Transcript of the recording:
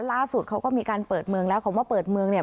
ล่าสุดเขาก็มีการเปิดเมืองแล้วคำว่าเปิดเมืองเนี่ย